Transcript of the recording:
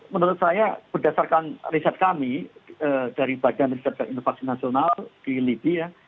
menurut saya berdasarkan riset kami dari bagian riset dan inovasi nasional di libi ya